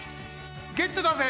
ゲットだぜ！